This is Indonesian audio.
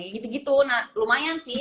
gitu gitu lumayan sih